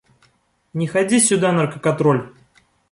Не ходи сюда, наркоконтролль!